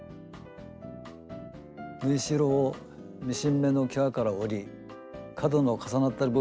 縫いしろをミシン目のきわから折り角の重なった部分はカットします。